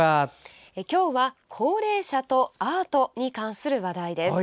今日は高齢者とアートに関する話題です。